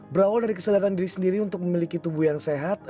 berawal dari kesadaran diri sendiri untuk memiliki tubuh yang sehat